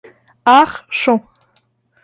Arts, Champs.